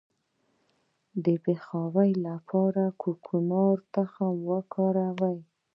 د بې خوبۍ لپاره د کوکنارو تخم وکاروئ